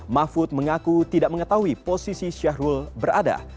mahfud mengaku tidak mengetahui posisi syahrul berada